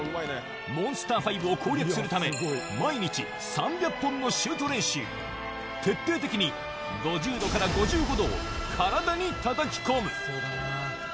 モンスター５を攻略するため、毎日３００本のシュート練習、徹底的に５０度から５５度を体にたたき込む。